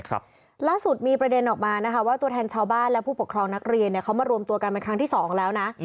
ครับล่าสุดมีประเด็นออกมานะคะว่าตัวแทนชาวบ้านและผู้ปกครองนักเรียนเนี้ยเขามารวมตัวกันเป็นครั้งที่สองแล้วนะ